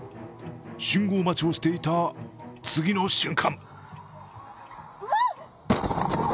信号待ちをしていた次の瞬間！